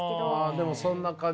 でもそんな感じ